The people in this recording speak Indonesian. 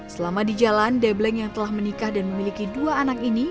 selama di jalan debleng yang telah menikah dan memiliki dua anak ini